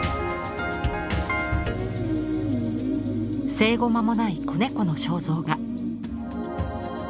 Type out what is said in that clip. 生後間もない子猫の肖像画。